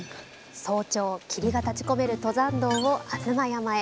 早朝霧が立ちこめる登山道を吾妻山へ。